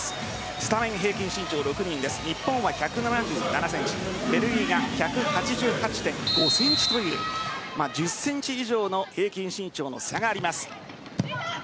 スタメン平均身長、６人で日本は１７７ｃｍベルギーが１８８．５ｃｍという１０ｃｍ以上の平均身長の差があります。